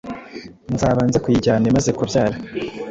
nzaba nza kuyijyana imaze kubyara”